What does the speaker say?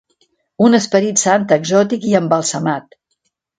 Un Esperit Sant exòtic i embalsamat.